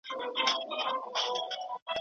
د ژوند په نورو ډګرونو کي باید پرمختګ وسي.